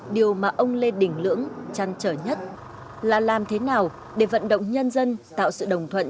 điều mà ông lê đình lưỡng chăn trở nhất là làm thế nào để vận động nhân dân tạo sự đồng thuận